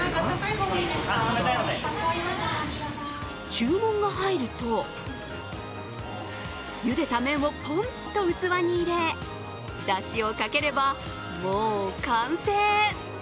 注文が入ると、ゆでた麺をぽんっと器に入れ、だしをかければ、もう完成。